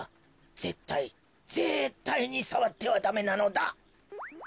ぜったいぜったいにさわってはダメなのだ。